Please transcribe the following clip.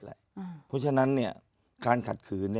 เพราะฉะนั้นการขัดขืน